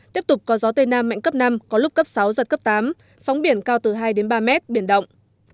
tiếp tục có gió tây nam mạnh cấp năm có lúc cấp sáu giật cấp tám sóng biển cao từ hai đến ba mét biển động